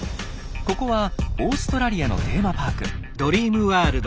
ここはオーストラリアのテーマパーク。